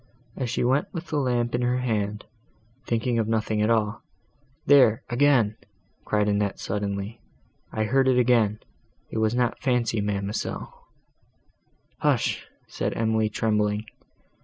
As she went with the lamp in her hand, thinking of nothing at all—There, again!" cried Annette suddenly—"I heard it again!—it was not fancy, ma'amselle!" "Hush!" said Emily, trembling.